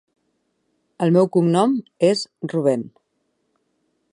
El meu cognom és Rubén.